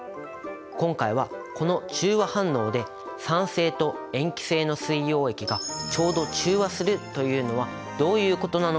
今回はこの中和反応で酸性と塩基性の水溶液がちょうど中和するというのはどういうことなのかを考えていきます。